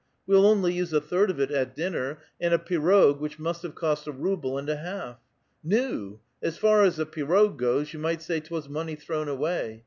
We'll only use a third of it at dinner; and 2i inrtKj [pie] which must have cost a ruble and a half. Na ! as far as the pirog goes, you might say 'twas inonev thrown awav.